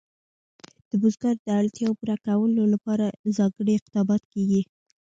د بزګانو د اړتیاوو پوره کولو لپاره ځانګړي اقدامات کېږي.